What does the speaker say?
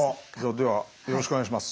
ではよろしくお願いします。